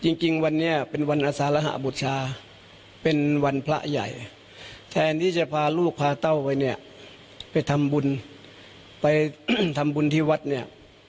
จริงวันนี้เป็นวันอสารหบุชาเป็นวันพระใหญ่แทนที่จะพาลูกพาเต้าไปเนี่ยไปทำบุญไปทำบุญที่วัดเนี่ย